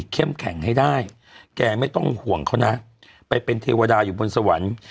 แข็งให้ได้แกไม่ต้องห่วงเขานะไปเป็นเทวดาอยู่บนสวรรค์